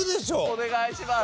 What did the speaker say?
お願いします。